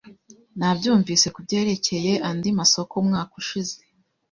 Nabyumvise kubyerekeye andi masoko umwaka ushize.